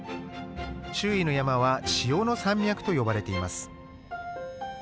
周囲の山は「塩の山脈」と呼ばれています。